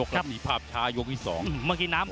สวัสดีครับสวัสดีครับสวัสดีครับ